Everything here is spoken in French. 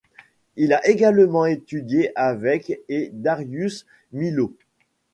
Il a également étudié avec et Darius Milhaud.